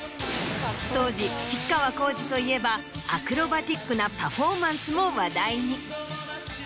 当時吉川晃司といえばアクロバティックなパフォーマンスも話題に。